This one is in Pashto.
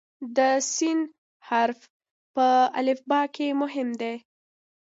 د "س" حرف په الفبا کې مهم دی.